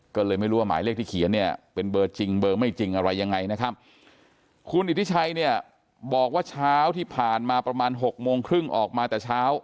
ก็เลยไม่รู้ว่าหมายเลขที่เขียนเนี่ยเป็นเบอร์จริงเบอร์ไม่จริงอะไรยังไงนะครับคุณอิทธิชัยเนี่ยบอกว่าเช้าที่ผ่านมาประมาณ๖โมงครึ่งออกมาแต่เช้า